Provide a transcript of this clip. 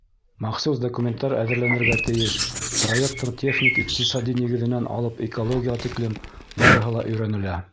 Махсус документтар әҙерләнергә тейеш, проекттың техник-иҡтисади нигеҙенән алып экологияға тиклем барыһы ла өйрәнелә.